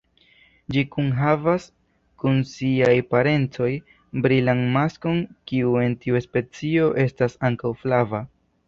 Ĝi kunhavas kun siaj parencoj brilan maskon kiu en tiu specio estas ankaŭ flava.